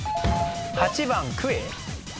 ８番クエ？